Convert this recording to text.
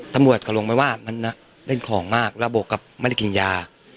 ธรรมัวจะกระลุงไว้ว่ามันนะเล่นของมากระบบกับไม่ได้เกินยา